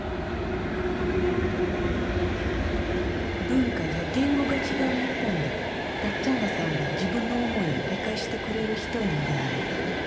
文化や言語が違う日本でタッチャナさんは自分の思いを理解してくれる人に出会えた。